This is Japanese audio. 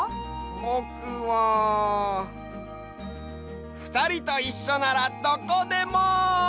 ぼくはふたりといっしょならどこでも！